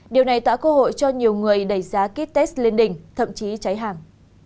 điều này tả cơ hội cho nhiều người đẩy giá kit test lên đỉnh thậm chí cháy hàng